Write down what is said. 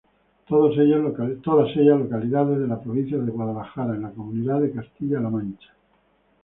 Todos ellos localidades de la provincia de Guadalajara, en la comunidad de Castilla-La Mancha.